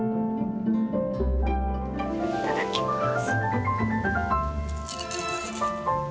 いただきます。